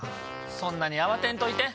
そんなに慌てんといて。